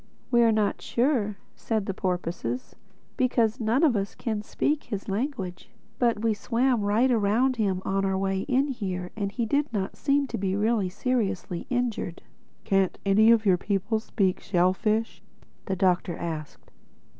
"We're not sure," said the porpoises; "because none of us can speak his language. But we swam right around him on our way in here, and he did not seem to be really seriously injured." "Can't any of your people speak shellfish?" the Doctor asked.